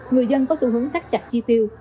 người dân có xu hướng thắt chặt chi tiêu